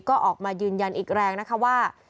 ก็ออกมายืนยันอีกแรงนะคะว่า